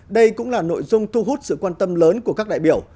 đây cũng là nội dung thu hút sự quan tâm lớn của các đại biểu